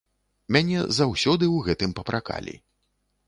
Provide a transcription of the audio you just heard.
Мяне заўсёды ў гэтым папракалі.